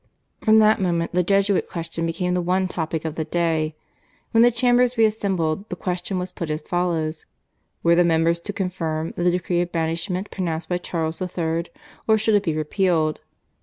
From that moment the Jesuit question became the one topic of the day. When the Chambers reassembled the question was put as follows: "Were the members to confirm the decree of banishment pronounced by Charles III.? or should it be repealed?"